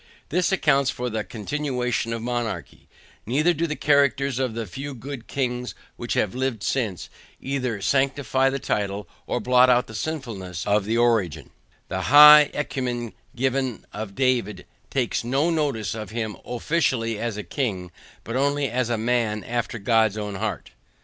This accounts for the continuation of monarchy; neither do the characters of the few good kings which have lived since, either sanctify the title, or blot out the sinfulness of the origin; the high encomium given of David takes no notice of him OFFICIALLY AS A KING, but only as a MAN after God's own heart.